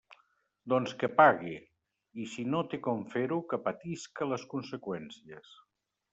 Doncs que pague; i si no té com fer-ho que patisca les conseqüències.